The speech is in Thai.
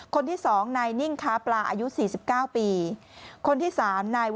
คนที่สองนายนิ่งค้าปลาอายุ๔๙ปีคนที่๓นาย